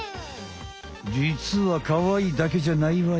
じつはかわいいだけじゃないわよ。